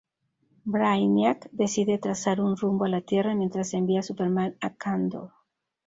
Brainiac decide trazar un rumbo a la Tierra mientras envía a Superman a Kandor.